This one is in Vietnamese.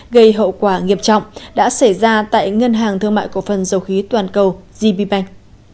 gây hậu quả nghiêm trọng đã xảy ra tại ngân hàng thương mại cổ phần dầu khí toàn cầu gb bank